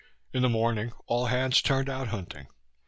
In the morning all hands turned out hunting.